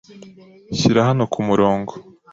Shyira hano kumurongo